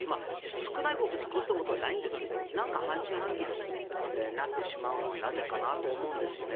少ないことに越したことはないんですけどなんか半信半疑になってしまうのはなぜかなと思うんですよね。